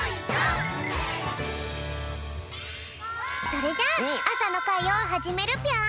それじゃああさのかいをはじめるぴょん！